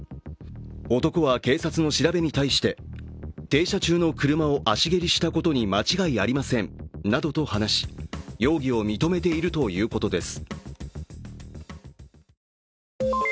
男は警察の調べに対して、停車中の車を足蹴りしたことに間違いありませんなどと話し、容疑を認めているということです。